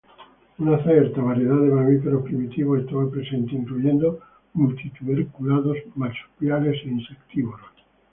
Una cierta variedad de mamíferos primitivos estaba presente incluyendo multituberculados, marsupiales e insectívoros.